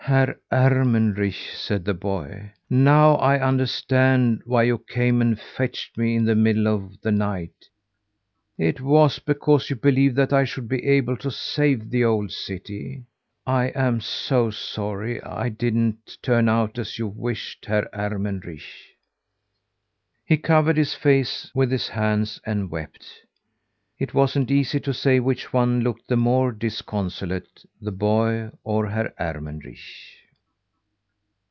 "Herr Ermenrich," said the boy, "now I understand why you came and fetched me in the middle of the night. It was because you believed that I should be able to save the old city. I am so sorry it didn't turn out as you wished, Herr Ermenrich." He covered his face with his hands and wept. It wasn't easy to say which one looked the more disconsolate the boy, or Herr Ermenrich.